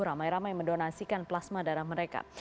ramai ramai mendonasikan plasma darah mereka